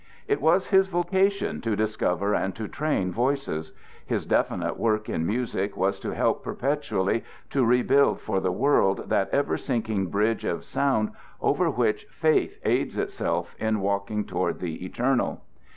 It was his vocation to discover and to train voices. His definite work in music was to help perpetually to rebuild for the world that ever sinking bridge of sound over which Faith aids itself in walking toward the eternal.